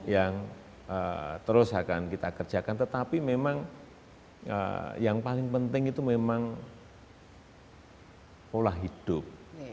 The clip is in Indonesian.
yang terus akan kita kerjakan tetapi memang yang paling penting itu memang pola hidup